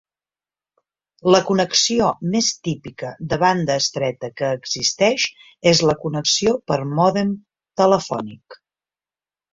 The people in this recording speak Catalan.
La connexió més típica de banda estreta que existeix és la connexió per mòdem telefònic.